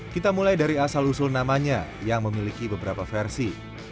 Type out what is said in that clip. kita mulai dari asal usul namanya yang memiliki beberapa versi